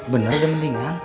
bener udah mendingan